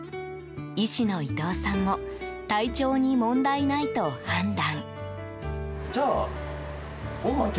医師の伊藤さんも体調に問題ないと判断。